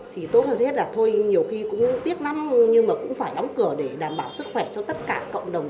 thì tốt hơn thế là thôi nhiều khi cũng tiếc lắm nhưng mà cũng phải đóng cửa để đảm bảo sức khỏe cho tất cả cộng đồng